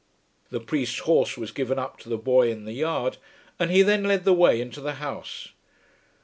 The priest's horse was given up to the boy in the yard, and he then led the way into the house.